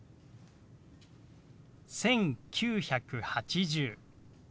「１９８０」。